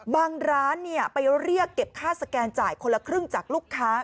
บางร้านไปเรียกเก็บค่าสแกนจ่ายคนละครึ่งจากลูกค้า